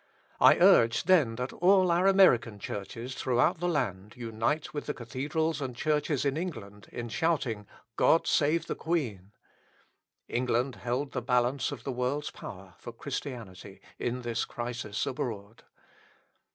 I urged then that all our American churches throughout the land unite with the cathedrals and churches in England in shouting "God Save the Queen." England held the balance of the world's power for Christianity in this crisis abroad.